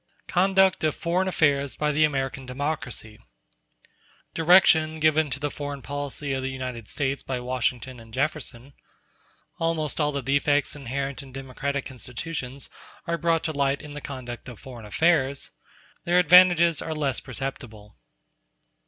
Conduct Of Foreign Affairs By The American Democracy Direction given to the foreign policy of the United States by Washington and Jefferson—Almost all the defects inherent in democratic institutions are brought to light in the conduct of foreign affairs—Their advantages are less perceptible.